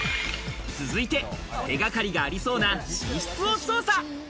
手掛かりがありそうな寝室を捜査！